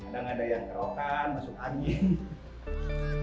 jadi ya gitu lah kadang ada yang kerokan masuk angin